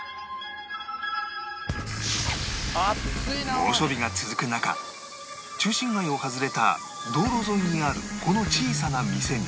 猛暑日が続く中中心街を外れた道路沿いにあるこの小さな店に